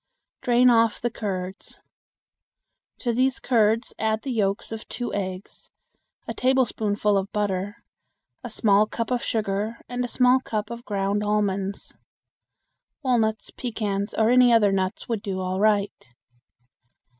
Drain off the curds. To these curds add the yolks of two eggs, a tablespoonful of butter, a small cup of sugar, and a small cup of ground almonds. Walnuts, pecans, or any other nuts would do all right.